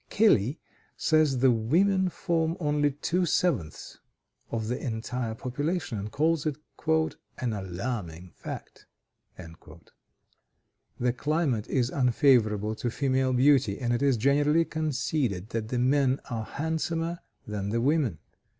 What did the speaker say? Kelly says the women form only two sevenths (2/7) of the entire population, and calls it "an alarming fact." The climate is unfavorable to female beauty, and it is generally conceded that the men are handsomer than the women.